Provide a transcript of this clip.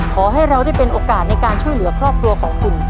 ขอให้เราได้เป็นโอกาสในการช่วยเหลือครอบครัวของคุณ